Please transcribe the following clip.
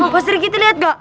pasti dikit lihat kak